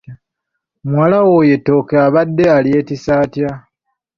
Muwala we oyo ettooke abadde alyetisse atya?